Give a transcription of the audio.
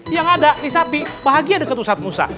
yang ada nih sapi bahagia deket ustadz musa